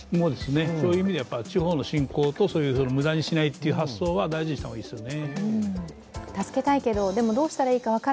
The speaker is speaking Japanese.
そういう意味では地方の振興と、無駄にしないという発想は大事にした方がいいですよね。